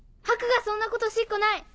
ハクがそんなことしっこない！